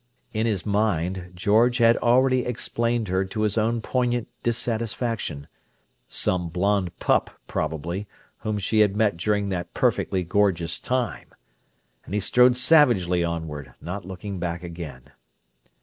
In his mind, George had already explained her to his own poignant dissatisfaction—some blond pup, probably, whom she had met during that "perfectly gorgeous time!" And he strode savagely onward, not looking back again.